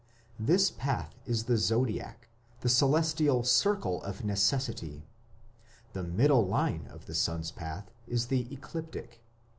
This path is the Zodiac the celestial "circle of necessity". The middle line of the sun's path is the Ecliptic.